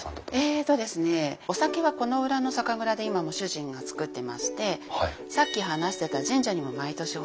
えっとですねお酒はこの裏の酒蔵で今も主人が造ってましてさっき話してた神社にも毎年奉納させていただいてます。